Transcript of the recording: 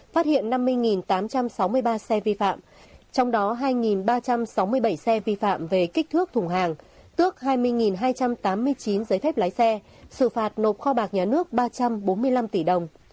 phát hiện năm mươi tám trăm sáu mươi ba xe vi phạm trong đó hai ba trăm sáu mươi bảy xe vi phạm về kích thước thùng hàng tước hai mươi hai trăm tám mươi chín giấy phép lái xe xử phạt nộp kho bạc nhà nước ba trăm bốn mươi năm tỷ đồng